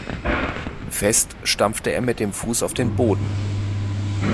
Fest stampfte er mit dem Fuß auf den Boden.